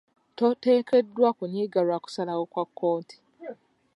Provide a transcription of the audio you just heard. Totekeddwa kunyiiga lwa kusalawo kwa kooti.